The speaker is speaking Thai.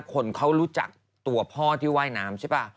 คนเขารู้จักตัวพ่อที่ว่ายน้ำใช่ป่ะ